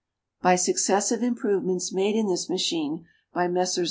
By successive improvements made in this machine by Messrs.